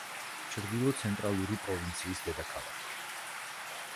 ჩრდილო–ცენტრალური პროვინციის დედაქალაქი.